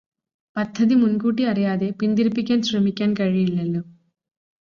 പദ്ധതി മുൻകൂട്ടി അറിയാതെ പിന്തിരിപ്പിക്കാൻ ശ്രമിക്കാൻ കഴിയില്ലല്ലോ.